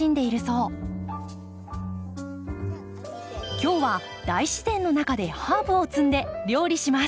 今日は大自然の中でハーブを摘んで料理します。